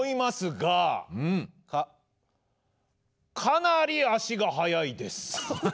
かなり足が速いです。